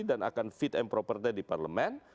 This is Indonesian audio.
dan akan fit and propertate di parlemen